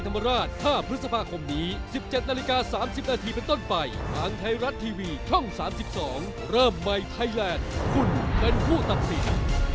ทำใหม่ไทยแลกฟุนเป็นผู้ตัดสิน